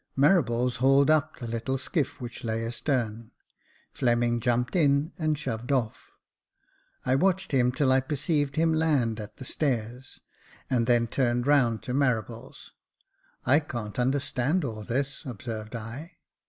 Marables hauled up the little skiff which lay astern. Fleming jumped in and shoved off. I watched him till I perceived him land at the stairs, and then turned round to Marables :*' I can't understand all this," observed I.